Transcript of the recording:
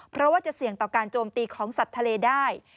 เพราะว่าจะเสี่ยงต่อการโจมตีของสัตว์ทะเลได้